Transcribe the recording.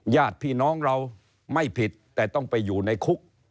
ญาติพี่น้องเราไม่ผิดแต่ต้องไปอยู่ในคุก